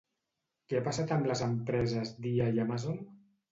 Què ha passat amb les empreses Dia i Amazon?